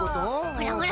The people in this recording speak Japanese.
ほらほら。